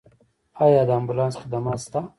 آیا امبولانس خدمات شته؟